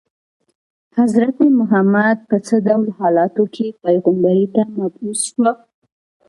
حضرت محمد په څه ډول حالاتو کې پیغمبرۍ ته مبعوث شو.